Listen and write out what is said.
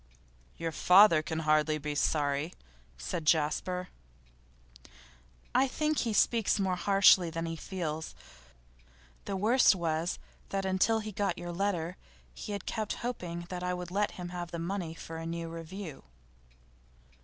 'Your father can hardly be sorry,' said Jasper. 'I think he speaks more harshly than he feels. The worst was, that until he got your letter he had kept hoping that I would let him have the money for a new review.